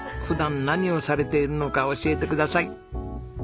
普段何をされているのか教えてください。